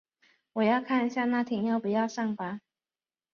我要看一下那天要不要上班。